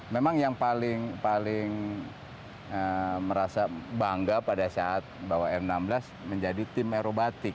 memang yang paling merasa bangga pada saat bawa m enam belas menjadi tim aerobatik